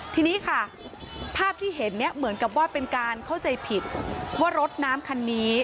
ทีนี้ค่ะภาพที่เห็นเนี่ยเหมือนกับว่าเป็นการเข้าใจผิดว่ารถน้ำคันนี้